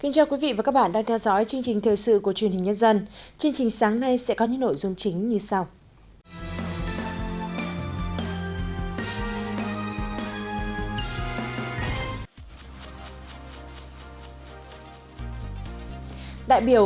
chương trình sáng nay sẽ có những nội dung chính như sau